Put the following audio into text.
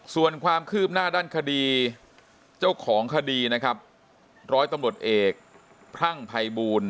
ส่วนความคืบหน้าด้านคดีเจ้าของคดีนะครับร้อยตำรวจเอกพรั่งภัยบูล